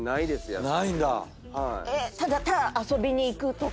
ただただ遊びに行くとか。